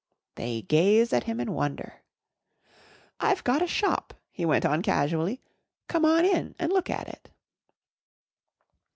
They gazed at him in wonder. "I've gotta shop," he went on casually. "Come on in an' look at it."